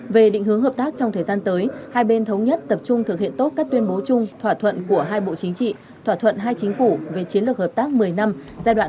về định hướng hợp tác trong thời gian tới hai bên thống nhất tập trung thực hiện tốt các tuyên bố chung thỏa thuận của hai bộ chính trị thỏa thuận hai chính phủ về chiến lược hợp tác một mươi năm